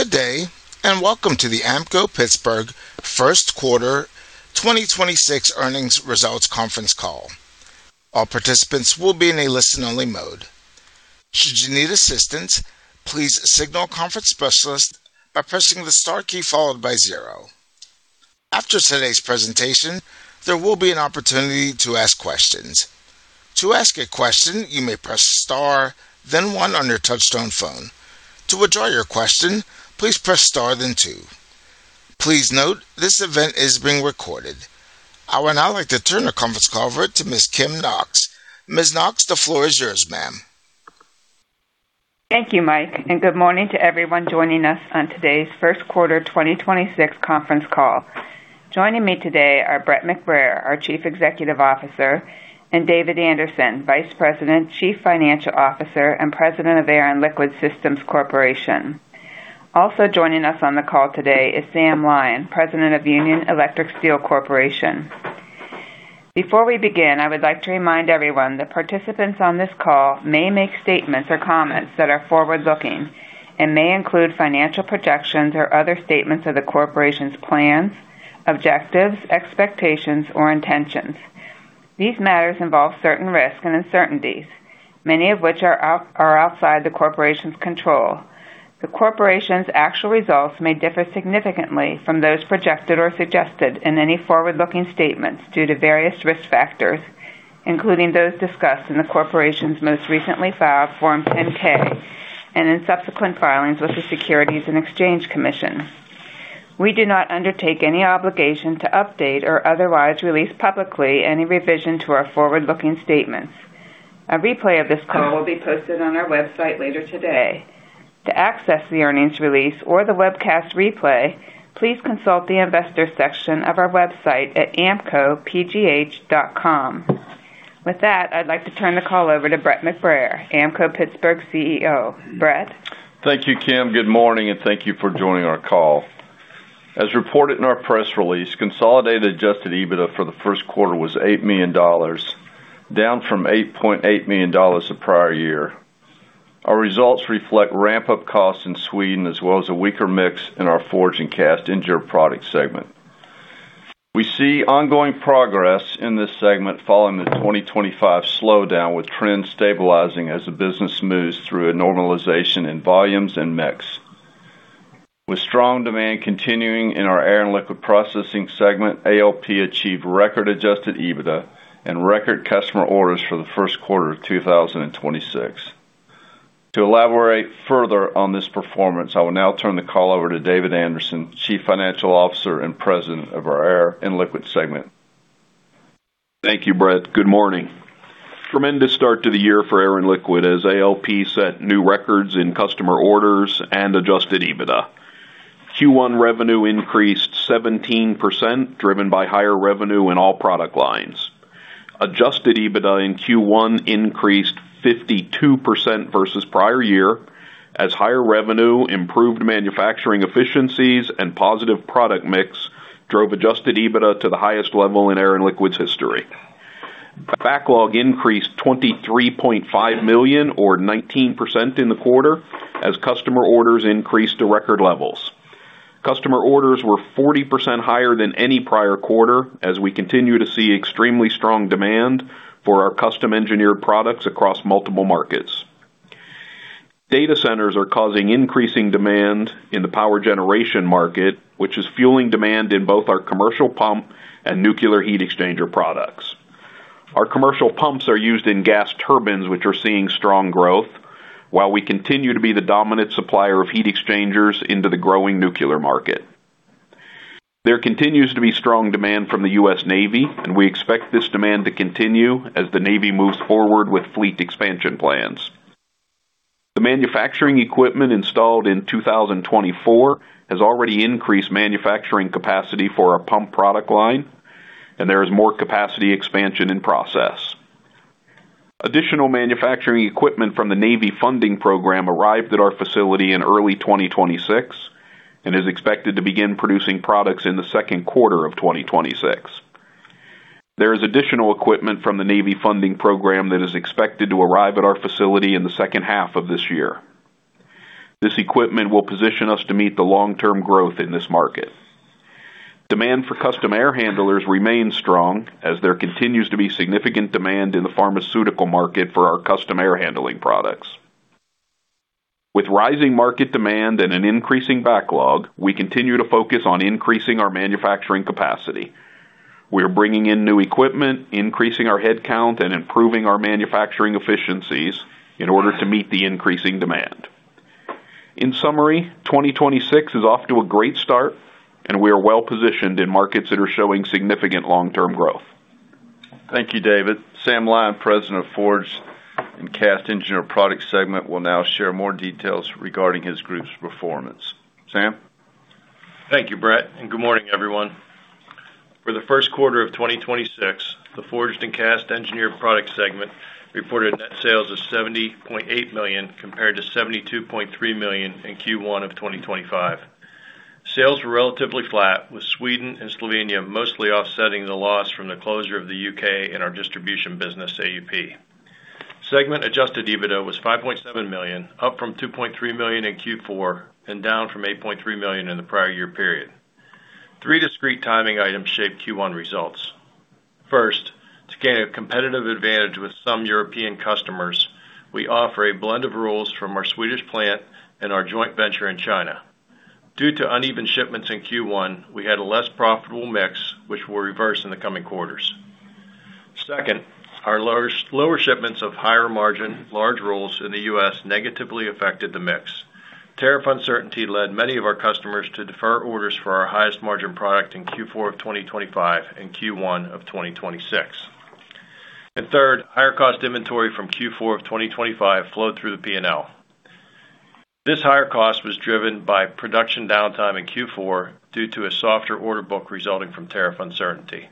Good day, and welcome to the Ampco-Pittsburgh first quarter 2026 earnings results conference call. All participants will be in a listen only mode. Did you need assistance, please signal conference specialist by pressing the star key, followed by zero. After todays presentation there will be an opportunity to ask questions. To ask a question you may press star then one on your touchtone phone. To withdraw your question, please press star then two. Please note this event is being recorded. I would now like to turn the conference call over to Miss Kim Knox. Miss Knox, the floor is yours, ma'am. Thank you, Mike, and good morning to everyone joining us on today's first quarter 2026 conference call. Joining me today are Brett McBrayer, our Chief Executive Officer, and David Anderson, Vice President, Chief Financial Officer, and President of Air & Liquid Systems Corporation. Also joining us on the call today is Sam Lyon, President of Union Electric Steel Corporation. Before we begin, I would like to remind everyone that participants on this call may make statements or comments that are forward-looking and may include financial projections or other statements of the corporation's plans, objectives, expectations, or intentions. These matters involve certain risks and uncertainties, many of which are outside the corporation's control. The corporation's actual results may differ significantly from those projected or suggested in any forward-looking statements due to various risk factors, including those discussed in the corporation's most recently filed Form 10-K and in subsequent filings with the Securities and Exchange Commission. We do not undertake any obligation to update or otherwise release publicly any revision to our forward-looking statements. A replay of this call will be posted on our website later today. To access the earnings release or the webcast replay, please consult the investor section of our website at ampco-pittsburgh.com. With that, I'd like to turn the call over to Brett McBrayer, Ampco-Pittsburgh's CEO. Brett? Thank you, Kim. Good morning, and thank you for joining our call. As reported in our press release, consolidated adjusted EBITDA for the first quarter was $8 million, down from $8.8 million the prior year. Our results reflect ramp-up costs in Sweden as well as a weaker mix in our forged and cast engineered products segment. We see ongoing progress in this segment following the 2025 slowdown, with trends stabilizing as the business moves through a normalization in volumes and mix. With strong demand continuing in our Air and Liquid Processing segment, ALP achieved record adjusted EBITDA and record customer orders for the first quarter of 2026. To elaborate further on this performance, I will now turn the call over to David Anderson, Chief Financial Officer and President of our Air and Liquid segment. Thank you, Brett. Good morning. Tremendous start to the year for Air and Liquid as ALP set new records in customer orders and adjusted EBITDA. Q1 revenue increased 17%, driven by higher revenue in all product lines. Adjusted EBITDA in Q1 increased 52% versus prior year as higher revenue, improved manufacturing efficiencies, and positive product mix drove adjusted EBITDA to the highest level in Air and Liquid's history. Backlog increased $23.5 million or 19% in the quarter as customer orders increased to record levels. Customer orders were 40% higher than any prior quarter as we continue to see extremely strong demand for our custom-engineered products across multiple markets. Data centers are causing increasing demand in the power generation market, which is fueling demand in both our commercial pump and nuclear heat exchanger products. Our commercial pumps are used in gas turbines, which are seeing strong growth, while we continue to be the dominant supplier of heat exchangers into the growing nuclear market. There continues to be strong demand from the US Navy, and we expect this demand to continue as the Navy moves forward with fleet expansion plans. The manufacturing equipment installed in 2024 has already increased manufacturing capacity for our pump product line, and there is more capacity expansion in process. Additional manufacturing equipment from the Navy funding program arrived at our facility in early 2026 and is expected to begin producing products in the second quarter of 2026. There is additional equipment from the Navy funding program that is expected to arrive at our facility in the second half of this year. This equipment will position us to meet the long-term growth in this market. Demand for custom air handlers remains strong as there continues to be significant demand in the pharmaceutical market for our custom air handling products. With rising market demand and an increasing backlog, we continue to focus on increasing our manufacturing capacity. We are bringing in new equipment, increasing our headcount, and improving our manufacturing efficiencies in order to meet the increasing demand. In summary, 2026 is off to a great start, and we are well-positioned in markets that are showing significant long-term growth. Thank you, David. Sam Lyon, President of Forged and Cast Engineered Products segment, will now share more details regarding his group's performance. Sam? Thank you, Brett, and good morning, everyone. For the first quarter of 2026, the Forged and Cast Engineered Products segment reported net sales of $70.8 million compared to $72.3 million in Q1 of 2025. Sales were relatively flat, with Sweden and Slovenia mostly offsetting the loss from the closure of the U.K. and our distribution business, AUP. Segment adjusted EBITDA was $5.7 million, up from $2.3 million in Q4, and down from $8.3 million in the prior year period. Three discrete timing items shaped Q1 results. First, to gain a competitive advantage with some European customers, we offer a blend of rolls from our Swedish plant and our joint venture in China. Due to uneven shipments in Q1, we had a less profitable mix, which will reverse in the coming quarters. Second, our lower shipments of higher margin large rolls in the U.S. negatively affected the mix. Tariff uncertainty led many of our customers to defer orders for our highest margin product in Q4 of 2025 and Q1 of 2026. Third, higher cost inventory from Q4 of 2025 flowed through the P&L. This higher cost was driven by production downtime in Q4 due to a softer order book resulting from tariff uncertainty.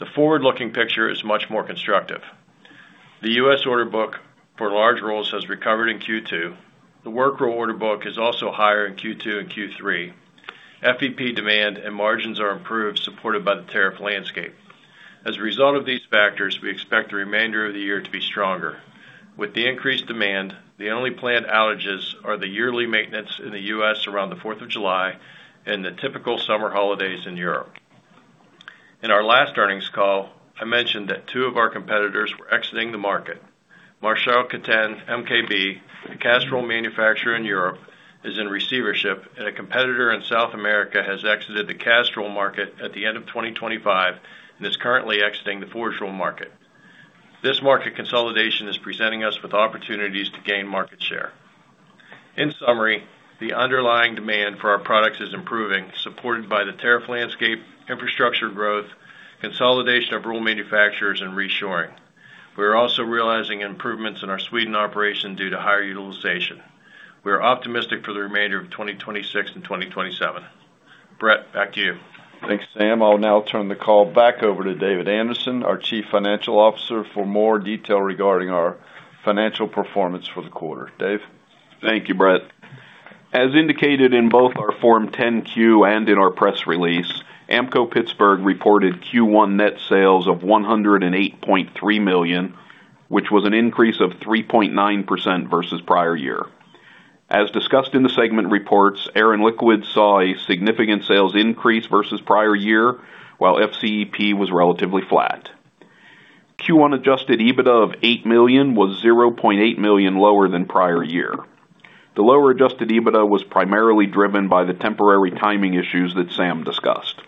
The forward-looking picture is much more constructive. The U.S. order book for large rolls has recovered in Q2. The work roll order book is also higher in Q2 and Q3. FEP demand and margins are improved, supported by the tariff landscape. As a result of these factors, we expect the remainder of the year to be stronger. With the increased demand, the only planned outages are the yearly maintenance in the U.S. around the Fourth of July and the typical summer holidays in Europe. In our last earnings call, I mentioned that two of our competitors were exiting the market. Marichal Ketin, MKB, a cast roll manufacturer in Europe, is in receivership, and a competitor in South America has exited the cast roll market at the end of 2025 and is currently exiting the forge roll market. This market consolidation is presenting us with opportunities to gain market share. In summary, the underlying demand for our products is improving, supported by the tariff landscape, infrastructure growth, consolidation of roll manufacturers, and reshoring. We are also realizing improvements in our Sweden operation due to higher utilization. We are optimistic for the remainder of 2026 and 2027. Brett, back to you. Thanks, Sam. I'll now turn the call back over to David Anderson, our Chief Financial Officer, for more detail regarding our financial performance for the quarter. Dave? Thank you, Brett. As indicated in both our Form 10-Q and in our press release, Ampco-Pittsburgh reported Q1 net sales of $108.3 million, which was an increase of 3.9% versus prior year. As discussed in the segment reports, Air and Liquid saw a significant sales increase versus prior year, while FCEP was relatively flat. Q1 adjusted EBITDA of $8 million was $0.8 million lower than prior year. The lower adjusted EBITDA was primarily driven by the temporary timing issues that Sam discussed.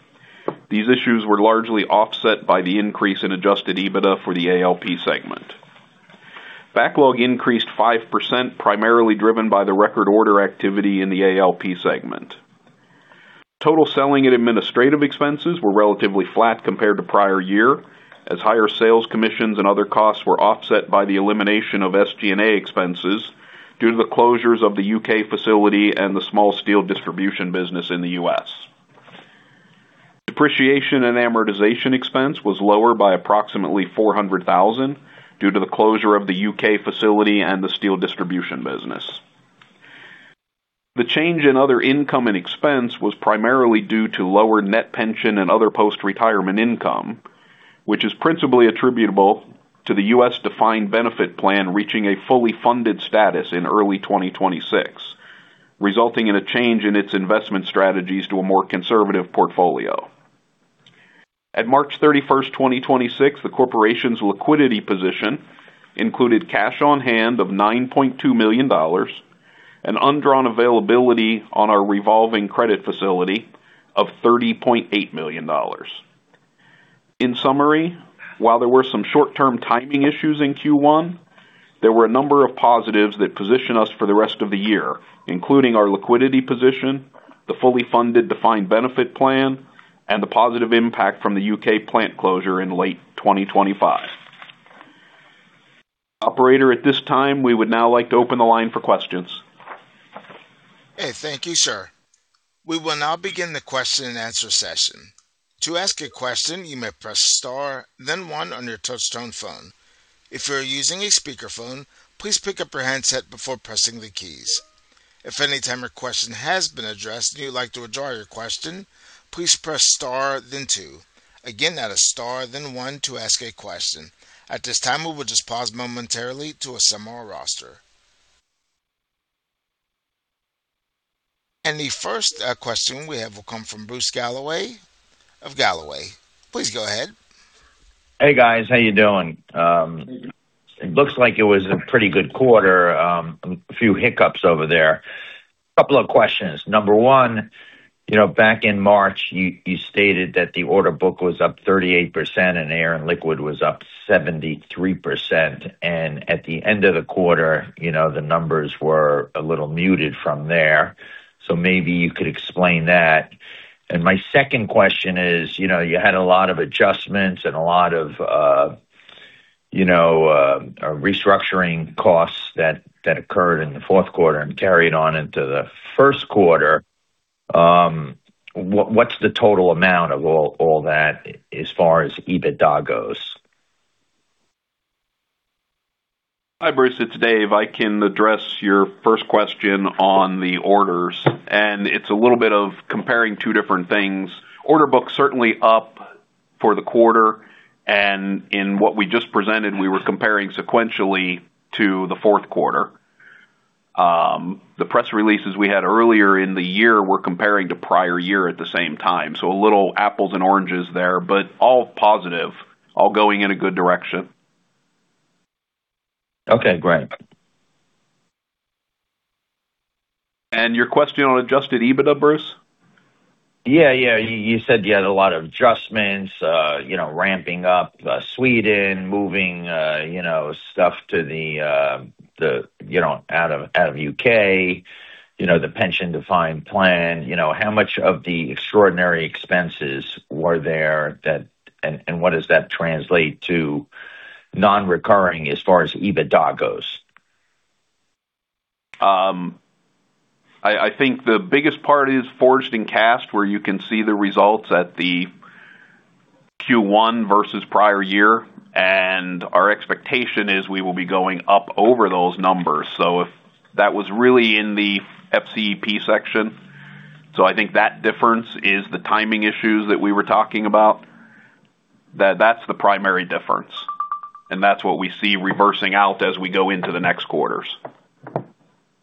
These issues were largely offset by the increase in adjusted EBITDA for the ALP segment. Backlog increased 5%, primarily driven by the record order activity in the ALP segment. Total selling and administrative expenses were relatively flat compared to prior year, as higher sales commissions and other costs were offset by the elimination of SG&A expenses due to the closures of the U.K. facility and the small steel distribution business in the U.S. Depreciation and amortization expense was lower by approximately $400,000 due to the closure of the U.K. facility and the steel distribution business. The change in other income and expense was primarily due to lower net pension and other post-retirement income, which is principally attributable to the U.S. defined benefit plan reaching a fully funded status in early 2026, resulting in a change in its investment strategies to a more conservative portfolio. At March 31, 2026, the corporation's liquidity position included cash on hand of $9.2 million and undrawn availability on our revolving credit facility of $30.8 million. In summary, while there were some short-term timing issues in Q1, there were a number of positives that position us for the rest of the year, including our liquidity position, the fully funded defined benefit plan, and the positive impact from the U.K. plant closure in late 2025. Operator, at this time, we would now like to open the line for questions. Okay. Thank you, sir. We will now begin the question and answer session. To ask a question, you may press star then one on your touchtone phone. If you're using a speakerphone, please pick up your handset before pressing the keys. If any time your question has been addressed and you like to withdraw your question please press star then two. Again that a star, then one to ask a question. At this time we will just pause momentarily to assemble our roster. The first question we have will come from Bruce Galloway of Galloway. Please go ahead. Hey, guys. How you doing? It looks like it was a pretty good quarter. A few hiccups over there. Couple of questions. Number one, you know, back in March, you stated that the order book was up 38% and Air and Liquid was up 73%. At the end of the quarter, you know, the numbers were a little muted from there. Maybe you could explain that. My second question is, you know, you had a lot of adjustments and a lot of, you know, restructuring costs that occurred in the fourth quarter and carried on into the first quarter. What's the total amount of all that as far as EBITDA goes? Hi, Bruce. It's Dave. I can address your first question on the orders, it's a little bit of comparing two different things. Order book certainly up for the quarter, in what we just presented, we were comparing sequentially to the fourth quarter. The press releases we had earlier in the year were comparing to prior year at the same time. A little apples and oranges there, all positive, all going in a good direction. Okay, great. Your question on adjusted EBITDA, Bruce? Yeah. Yeah. You said you had a lot of adjustments, you know, ramping up Sweden, moving, you know, stuff to the, you know, out of U.K., you know, the pension defined plan. You know, how much of the extraordinary expenses were there? What does that translate to non-recurring as far as EBITDA goes? I think the biggest part is forged and cast where you can see the results at the Q1 versus prior year, and our expectation is we will be going up over those numbers. If that was really in the FCEP section. I think that difference is the timing issues that we were talking about. That's the primary difference, and that's what we see reversing out as we go into the next quarters.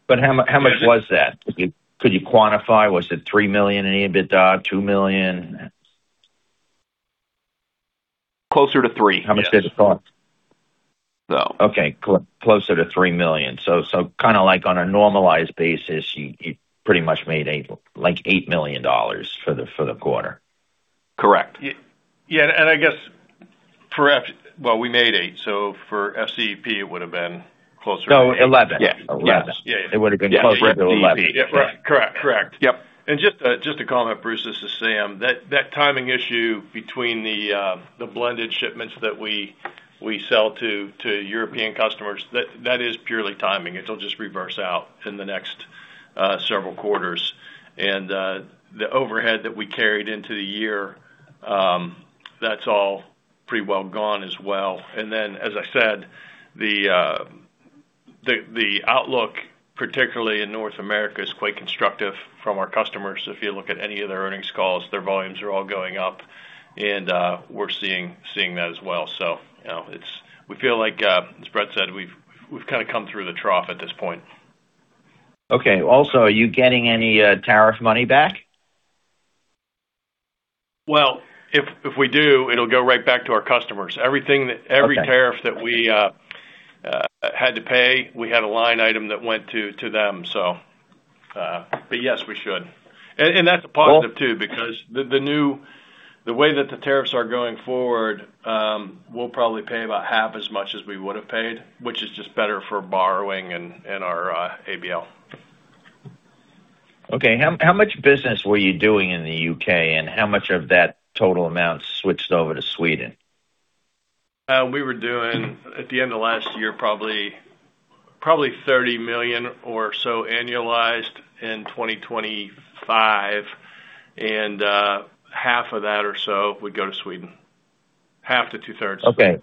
How much was that? Could you quantify? Was it $3 million in EBITDA? $2 million? Closer to $3 million. How much did it cost? So. Okay. Closer to $3 million. Kind of like on a normalized basis, you pretty much made $8 million for the quarter. Correct. Yeah, I guess for Well, we made $8, for FCEP it would have been closer to $8. No, 11. Yeah. Eleven. Yeah. Yeah. It would have been closer to 11. Yeah. Correct. Correct. Correct. Yep. Just, just to comment, Bruce, this is Sam. That timing issue between the blended shipments that we sell to European customers, that is purely timing. It'll just reverse out in the next several quarters. The overhead that we carried into the year, that's all pretty well gone as well. As I said, the outlook, particularly in North America, is quite constructive from our customers. If you look at any of their earnings calls, their volumes are all going up and we're seeing that as well. You know, We feel like, as Brett said, we've kind of come through the trough at this point. Okay. Also, are you getting any tariff money back? Well, if we do, it'll go right back to our customers. Okay. Every tariff that we had to pay, we had a line item that went to them, so. Yes, we should. That's a positive too, because the way that the tariffs are going forward, we'll probably pay about half as much as we would have paid, which is just better for borrowing and our ABL. Okay. How much business were you doing in the U.K., and how much of that total amount switched over to Sweden? We were doing, at the end of last year, probably $30 million or so annualized in 2025, and half of that or so would go to Sweden, half to two-thirds. Okay.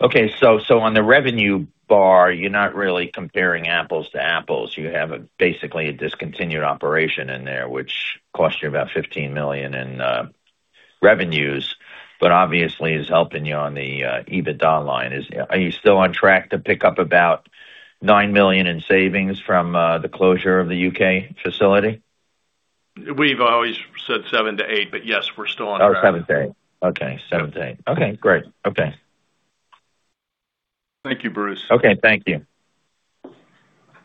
On the revenue bar, you're not really comparing apples to apples. You have a basically a discontinued operation in there, which cost you about $15 million in revenues, but obviously is helping you on the EBITDA line. Are you still on track to pick up about $9 million in savings from the closure of the U.K. facility? We've always said $7 million-$8 million, but yes, we're still on track. $7 million-$8 million. Okay. $7million-$8 million. Okay, great. Okay. Thank you, Bruce. Okay. Thank you.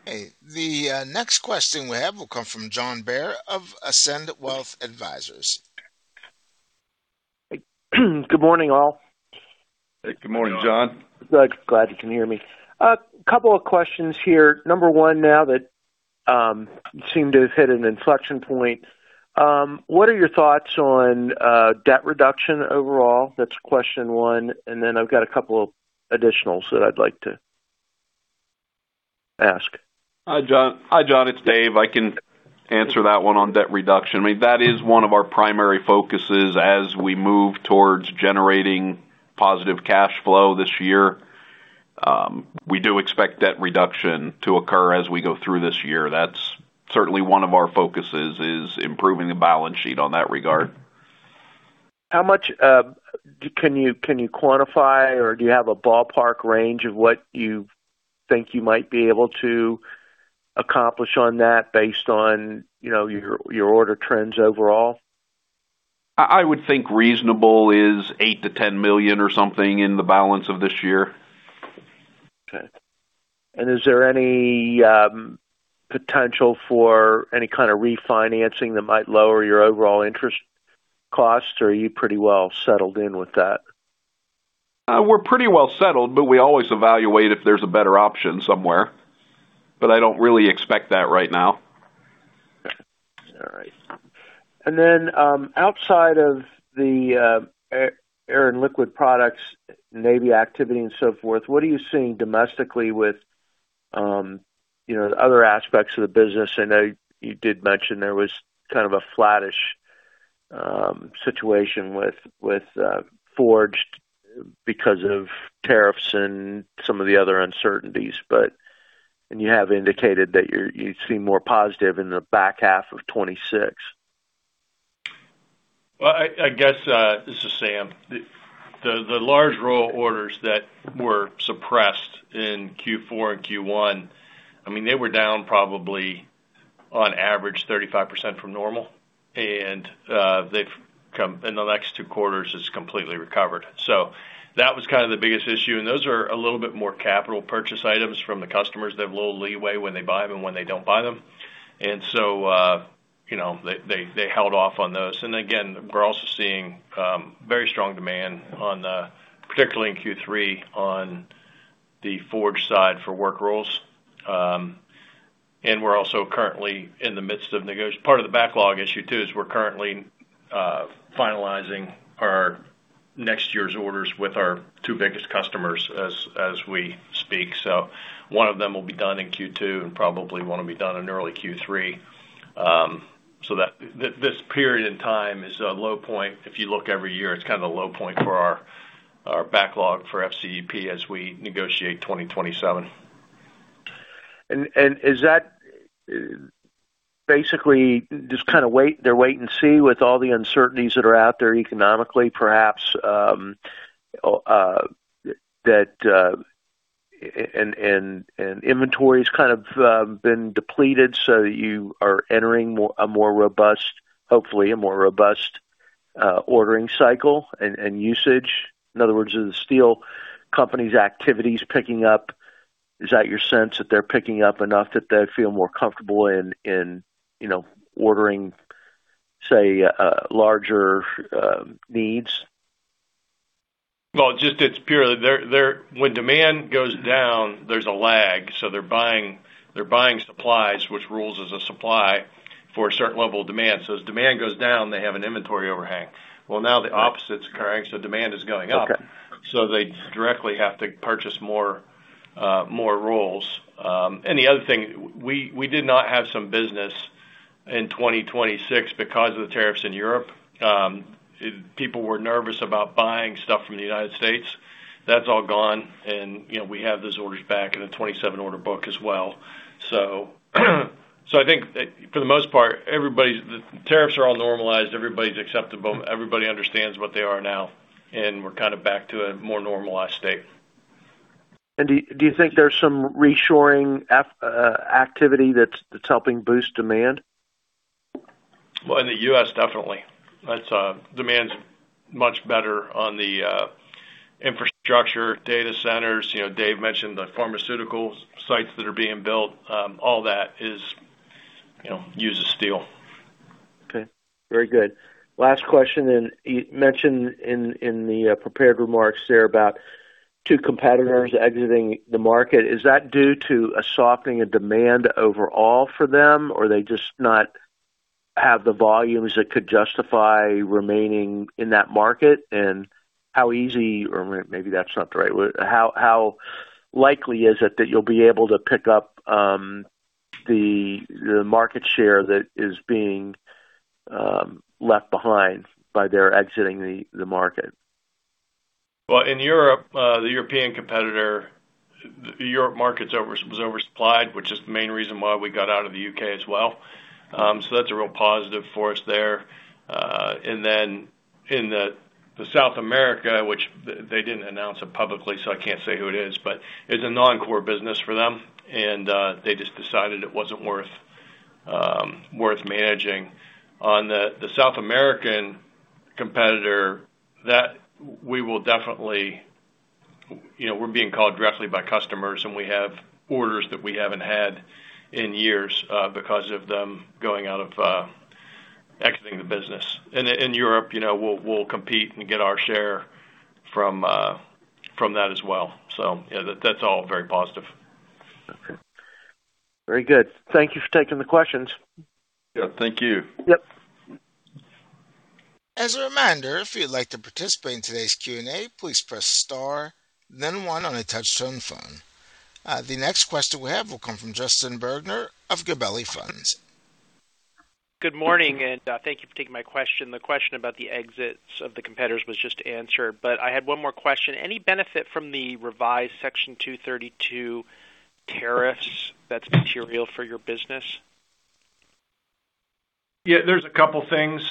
Hey, the next question we have will come from John Bair of Ascend Wealth Advisors. Good morning, all. Hey, good morning, John. Glad you can hear me. A couple of questions here. Number one, now that you seem to have hit an inflection point, what are your thoughts on debt reduction overall? That's question one. Then I've got a couple additionals that I'd like to ask. Hi, John. Hi, John, it's Dave. I can answer that one on debt reduction. I mean, that is one of our primary focuses as we move towards generating positive cash flow this year. We do expect debt reduction to occur as we go through this year. That's certainly one of our focuses, is improving the balance sheet on that regard. How much can you quantify or do you have a ballpark range of what you think you might be able to accomplish on that based on, you know, your order trends overall? I would think reasonable is $8 million-$10 million or something in the balance of this year. Okay. Is there any potential for any kind of refinancing that might lower your overall interest cost, or are you pretty well settled in with that? We're pretty well settled, but we always evaluate if there's a better option somewhere, but I don't really expect that right now. All right. outside of the Air and Liquid products, Navy activity and so forth, what are you seeing domestically with, you know, other aspects of the business? I know you did mention there was kind of a flattish situation with forged because of tariffs and some of the other uncertainties. You have indicated that you seem more positive in the back half of 2026. I guess, this is Sam. The large roll orders that were suppressed in Q4 and Q1, I mean, they were down probably on average 35% from normal. They've come in the next two quarters, it's completely recovered. That was kind of the biggest issue, and those are a little bit more capital purchase items from the customers. They have a little leeway when they buy them and when they don't buy them. You know, they held off on those. Again, we're also seeing very strong demand on the, particularly in Q3, on the forge side for work rolls. We're also currently in the midst of part of the backlog issue too, is we're currently finalizing our next year's orders with our two biggest customers as we speak. One of them will be done in Q2 and probably one will be done in early Q3. That this period in time is a low point. If you look every year, it is kind of a low point for our backlog for FCEP as we negotiate 2027. Is that basically just kind of wait and see with all the uncertainties that are out there economically, perhaps, that inventory's kind of been depleted, so you are entering more, a more robust, hopefully a more robust, ordering cycle and usage. In other words, are the steel company's activities picking up? Is that your sense that they're picking up enough that they feel more comfortable in, you know, ordering, say, a larger needs? Well, just it's purely they're when demand goes down, there's a lag, they're buying supplies, which rolls as a supply for a certain level of demand. As demand goes down, they have an inventory overhang. Well, now the opposite's occurring, demand is going up. Okay. They directly have to purchase more, more rolls. The other thing, we did not have some business in 2026 because of the tariffs in Europe. People were nervous about buying stuff from the U.S. That's all gone. You know, we have those orders back in the 2027 order book as well. I think for the most part, the tariffs are all normalized, everybody's acceptable, everybody understands what they are now, and we're kind of back to a more normalized state. Do you think there's some reshoring activity that's helping boost demand? In the U.S., definitely. That's, demand's much better on the infrastructure data centers. You know, Dave mentioned the pharmaceutical sites that are being built. All that is, you know, uses steel. Okay. Very good. Last question. You mentioned in the prepared remarks there about two competitors exiting the market. Is that due to a softening of demand overall for them, or they just not have the volumes that could justify remaining in that market? Or maybe that's not the right word. How likely is it that you'll be able to pick up the market share that is being left behind by their exiting the market? In Europe, the European competitor, the Europe market was oversupplied, which is the main reason why we got out of the U.K. as well. That's a real positive for us there. In the South America, which they didn't announce it publicly, so I can't say who it is, but it's a non-core business for them, and they just decided it wasn't worth worth managing. On the South American competitor, that we will definitely You know, we're being called directly by customers, and we have orders that we haven't had in years, because of them going out of exiting the business. In Europe, you know, we'll compete and get our share from that as well. Yeah, that's all very positive. Okay. Very good. Thank you for taking the questions. Yeah, thank you. Yep. As a reminder, if you'd like to participate in today's Q&A, please press star then one on a touch-tone phone. The next question we have will come from Justin Bergner of Gabelli Funds. Good morning, thank you for taking my question. The question about the exits of the competitors was just answered, I had one more question. Any benefit from the revised Section 232 tariffs that's material for your business? Yeah, there's 2 things,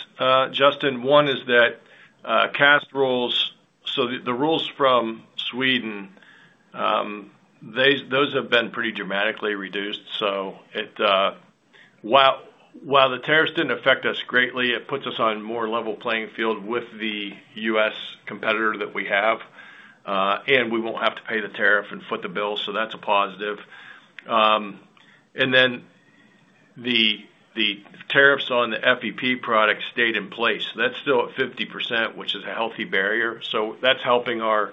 Justin. One is that cast rolls. The rolls from Sweden, those have been pretty dramatically reduced. While the tariffs didn't affect us greatly, it puts us on a more level playing field with the U.S. competitor that we have. We won't have to pay the tariff and foot the bill, that's a positive. The tariffs on the FEP product stayed in place. That's still at 50%, which is a healthy barrier. That's helping our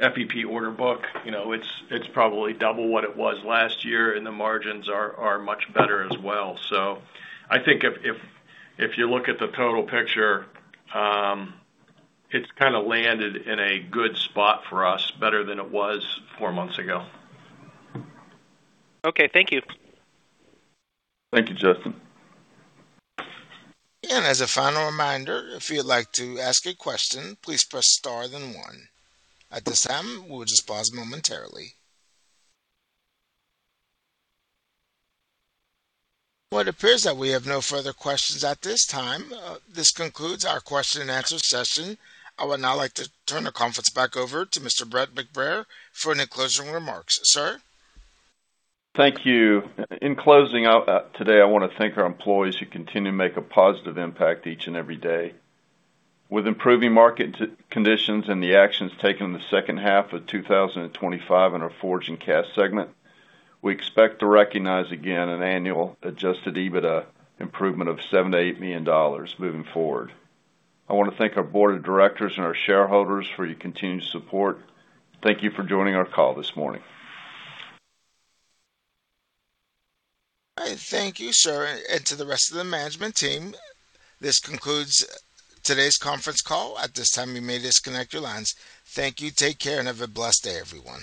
FEP order book. You know, it's probably double what it was last year, and the margins are much better as well. I think if you look at the total picture, it's kind of landed in a good spot for us, better than it was four months ago. Okay. Thank you. Thank you, Justin. As a final reminder, if you'd like to ask a question, please press star then one. At this time, we'll just pause momentarily. Well, it appears that we have no further questions at this time. This concludes our question and answer session. I would now like to turn the conference back over to Mr. Brett McBrayer for any closing remarks. Sir? Thank you. In closing out today, I want to thank our employees who continue to make a positive impact each and every day. With improving market conditions and the actions taken in the second half of 2025 in our Forge and Cast Segment, we expect to recognize again an annual adjusted EBITDA improvement of $7 million-$8 million moving forward. I want to thank our board of directors and our shareholders for your continued support. Thank you for joining our call this morning. All right. Thank you, sir. To the rest of the management team, this concludes today's conference call. At this time, you may disconnect your lines. Thank you. Take care, and have a blessed day, everyone.